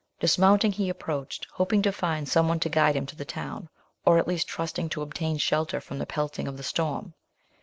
Dismounting, he approached, hoping to find some one to guide him to the town, or at least trusting to obtain shelter from the pelting of the storm.